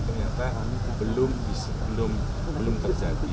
ternyata belum terjadi